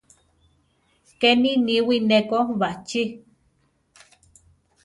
Keni niwí neko bachí.